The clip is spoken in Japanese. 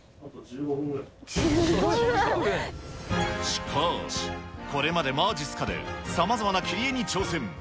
しかし、これまでまじっすかで、さまざまな切り絵に挑戦。